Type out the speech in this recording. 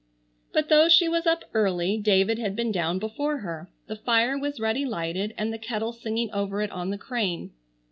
But though she was up early David had been down before her. The fire was ready lighted and the kettle singing over it on the crane.